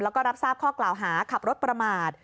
แล้วก็รับทราบข้อกล่าวหาขับรถประมาท